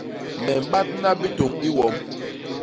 Me mbadna bitôñ i wom.